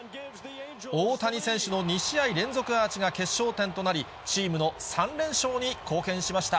大谷選手の２試合連続アーチが決勝点となり、チームの３連勝に貢献しました。